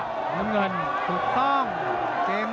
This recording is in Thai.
โหดแก้งขวาโหดแก้งขวา